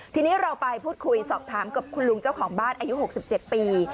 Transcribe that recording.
ทีนี้เราไปพูดคุยสอบถามกับคุณลุงเจ้าของบ้านอายุ๖๗ปี